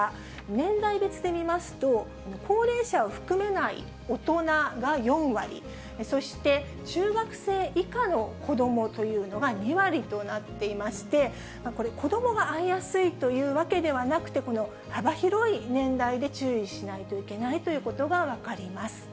年代別で見ますと、高齢者を含まない大人が４割、そして中学生以下の子どもというのが２割となっていまして、これ、子どもが遭いやすいというわけではなくて、この幅広い年代で注意しないといけないということが分かります。